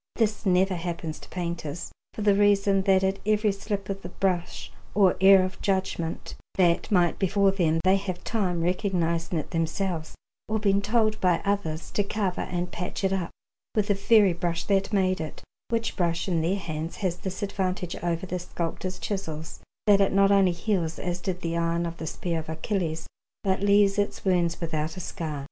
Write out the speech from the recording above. This never happens to painters, for the reason that at every slip of the brush or error of judgment that might befall them they have time, recognizing it themselves or being told by others, to cover and patch it up with the very brush that made it; which brush, in their hands, has this advantage over the sculptor's chisels, that it not only heals, as did the iron of the spear of Achilles, but leaves its wounds without a scar.